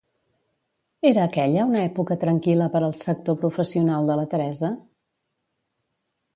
Era aquella una època tranquil·la per al sector professional de la Teresa?